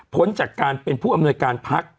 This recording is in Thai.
จากการเป็นผู้อำนวยการพัก